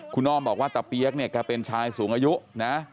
คุณอ้อมบอกว่าตะเปี๊ยกเนี่ยแกเป็นชายสูงอายุนะ